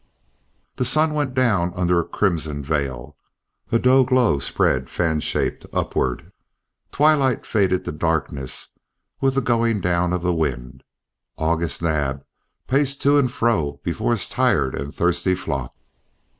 The sun went down under a crimson veil; a dull glow spread, fan shaped, upward; twilight faded to darkness with the going down of the wind. August Naab paced to and fro before his tired and thirsty flock.